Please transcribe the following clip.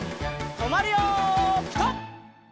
とまるよピタ！